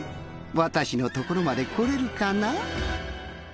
私の所まで来れるかな？